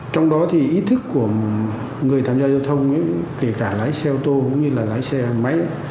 trong đó thì ý thức của người tham gia giao thông kể cả lái xe ô tô cũng như là lái xe máy